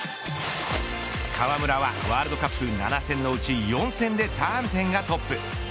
川村はワールドカップ７戦のうち４戦でターン点がトップ。